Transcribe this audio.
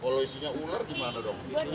kalau isinya ular gimana dong